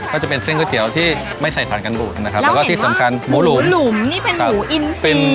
ก็จะเป็นเส้นก๋วยเตี๋ยวที่ไม่ใส่สารกันบูดนะครับแล้วก็ที่สำคัญหมูหลุมหมูหลุมนี่เป็นหมูอินเป็น